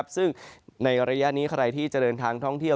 ซึ่งในระยะนี้ใครที่จะเดินทางท่องเที่ยว